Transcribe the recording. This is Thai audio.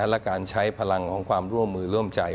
และการใช้พลังของความร่วมมือร่วมใจ